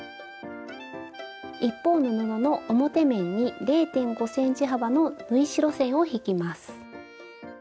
一方の布の表面に０．５ｃｍ幅の縫い代線を引きます。